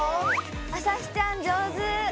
あさひちゃん上手！